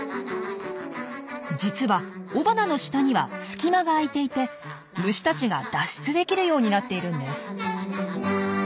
実は雄花の下には隙間が開いていて虫たちが脱出できるようになっているんです。